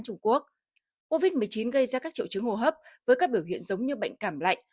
trung quốc covid một mươi chín gây ra các triệu chứng hô hấp với các biểu hiện giống như bệnh cảm lạnh